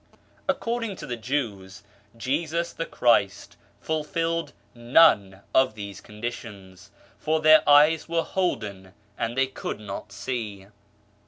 11 According to the Jews, Jesus the Christ fulfilled none of these conditions, for their eyes were holden and they could not see.